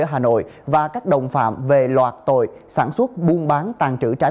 học viên hoàng trí